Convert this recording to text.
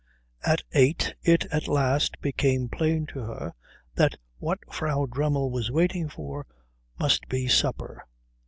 At eight it at last became plain to her that what Frau Dremmel was waiting for must be supper.